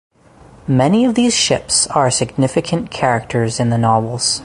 Many of these ships are significant characters in the novels.